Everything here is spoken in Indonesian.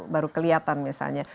baru kelihatan misalnya